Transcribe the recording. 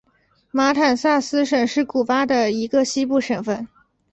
马坦萨斯省是古巴的一个西部省份。